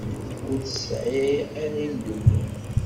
Ur tesɛi ara imdukkal.